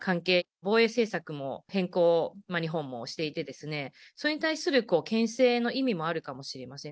防衛政策も変更、日本もしていて、それに対するけん制の意味もあるかもしれません。